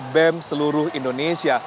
bem seluruh indonesia